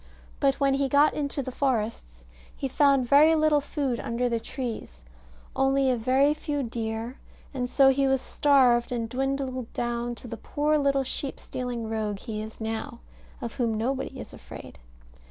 But when he got into the forests, he found very little food under the trees, only a very few deer; and so he was starved, and dwindled down to the poor little sheep stealing rogue he is now, of whom nobody is afraid.